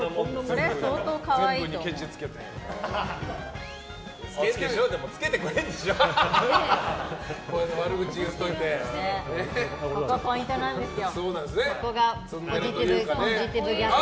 そこがポイントなんですよ。